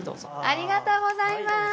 ありがとうございます！